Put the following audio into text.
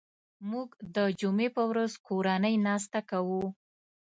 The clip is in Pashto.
موږ د جمعې په ورځ کورنۍ ناسته کوو